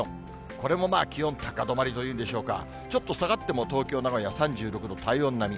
これもまあ、気温高止まりというんでしょうか、ちょっと下がっても、東京、名古屋、３６度、体温並み。